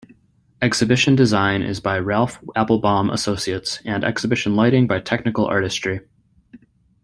Exhibition design is by Ralph Appelbaum Associates, and exhibition lighting by Technical Artistry.